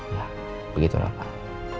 ya begitulah pak